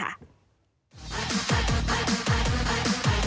เอาล่ะนะ